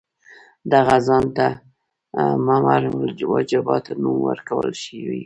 دغه ځای ته ممر الوجحات نوم ورکړل شوی دی.